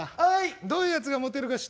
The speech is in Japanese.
どういうやつがモテるか知ってる？